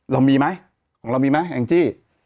เรามีไหมของเรามีไหมแองจี้